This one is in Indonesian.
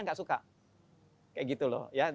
tidak suka seperti itu loh